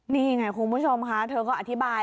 นี่ไงคุณผู้ชมค่ะเธอก็อธิบาย